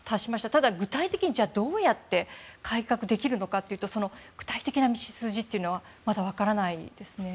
ただ、具体的にどうやって改革できるのかというとその具体的な道筋はまだ分からないですね。